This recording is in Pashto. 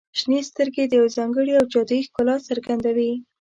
• شنې سترګې د یو ځانګړي او جادويي ښکلا څرګندوي.